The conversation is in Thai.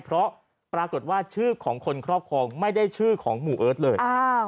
เพราะปรากฏว่าชื่อของคนครอบครองไม่ได้ชื่อของหมู่เอิร์ทเลย